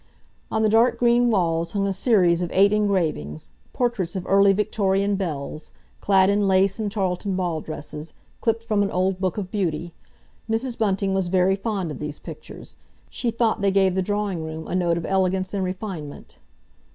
On the dark green walls hung a series of eight engravings, portraits of early Victorian belles, clad in lace and tarletan ball dresses, clipped from an old Book of Beauty. Mrs. Bunting was very fond of these pictures; she thought they gave the drawing room a note of elegance and refinement.